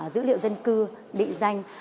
dữ liệu dân cư địa danh